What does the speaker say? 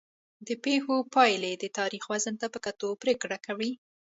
د پېښو پایلې د تاریخ وزن ته په کتو پرېکړه کوي.